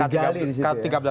di gali disitu ya